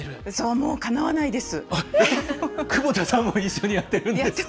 もうかなわないです。